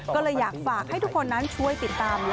ก็เลยอยากฝากให้ทุกคนนั้นช่วยติดตาม